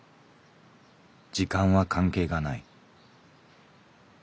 時間は関係がない。